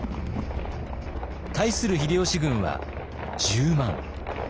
対する秀吉軍は１０万。